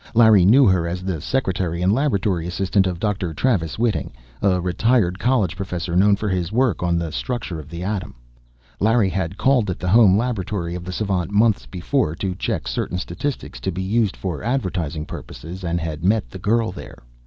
Larry knew her as the secretary and laboratory assistant of Dr. Travis Whiting, a retired college professor known for his work on the structure of the atom. Larry had called at the home laboratory of the savant, months before, to check certain statistics to be used for advertising purposes and had met the girl there.